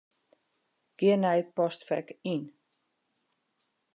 Gean nei Postfek Yn.